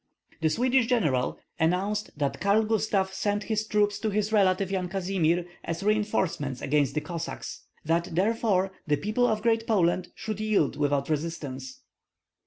The Swedish general announced that Karl Gustav sent his troops to his relative Yan Kazimir, as reinforcements against the Cossacks, that therefore the people of Great Poland should yield without resistance.